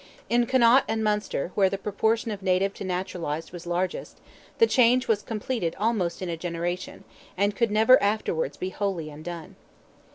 In Connaught and Munster where the proportion of native to naturalized was largest, the change was completed almost in a generation, and could never afterwards be wholly undone.